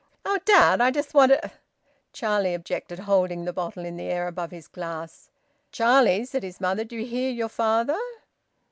"Oh, dad! I just want a " Charlie objected, holding the bottle in the air above his glass. "Charlie," said his mother, "do you hear your father?"